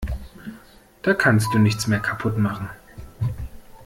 Da kannst du nichts mehr kaputt machen.